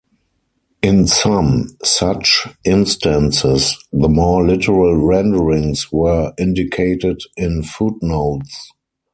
In some such instances, the more literal renderings were indicated in footnotes.